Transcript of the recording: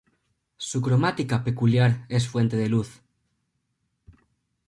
Su cromática peculiar es fuente de luz.